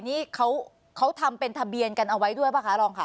นี่เขาทำเป็นทะเบียนกันเอาไว้ด้วยป่ะคะรองค่ะ